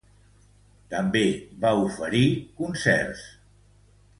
També va oferir concerts a ciutats espanyoles.